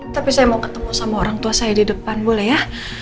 tapi saya mau ketemu sama orang tua saya di depan boleh ya